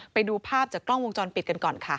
ไปดูภาพจากกล้องวงจรปิดกันก่อนค่ะ